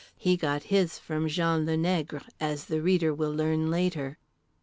He got his from Jean le Nègre, as the reader will learn later.